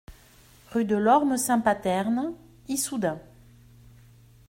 Rue de l'Orme Saint-Paterne, Issoudun